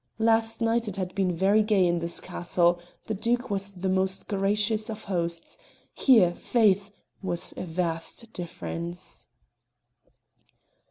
Last night it had been very gay in this castle, the Duke was the most gracious of hosts; here, faith! was a vast difference.